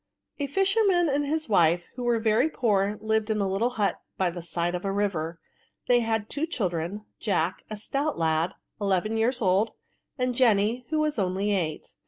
A fisherman and his wife, who were very poor, lived in a little hut by the side of a river. They had two children — Jack, a stout lad, eleven years old, and Jenny, who was only, eight.